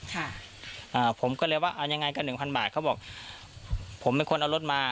อ่าผมก็เลยว่าเอายังไงก็หนึ่งพันบาทเขาบอกผมเป็นคนเอารถมา